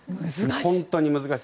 本当に難しい。